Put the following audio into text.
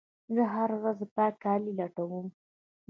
زه هره ورځ د پاک کالي لټوم.